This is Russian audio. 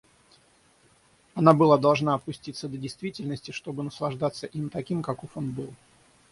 Она была должна опуститься до действительности, чтобы наслаждаться им таким, каков он был.